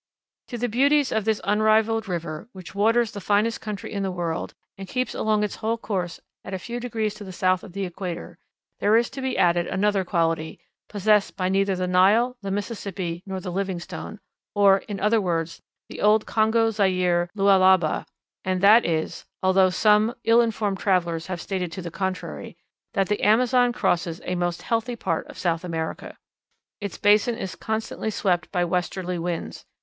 To the beauties of this unrivaled river, which waters the finest country in the world, and keeps along its whole course at a few degrees to the south of the equator, there is to be added another quality, possessed by neither the Nile, the Mississippi, nor the Livingstone or, in other words, the old Congo Zaira Lualaba and that is (although some ill informed travelers have stated to the contrary) that the Amazon crosses a most healthy part of South America. Its basin is constantly swept by westerly winds.